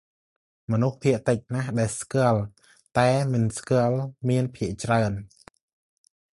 «មនុស្សភាគតិចណាស់ដែលស្គាល់ តែមិនស្គាល់មានភាគច្រើន។